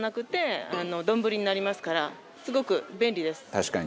「確かに」